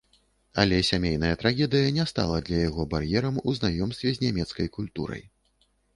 Але сямейная трагедыя не стала для яго бар'ерам у знаёмстве з нямецкай культурай.